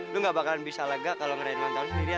lu gak bakalan bisa lega kalau ngerayain mantan sendiri ya